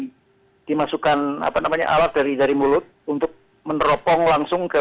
jadi dimasukkan alat dari jari mulut untuk meneropong langsung ke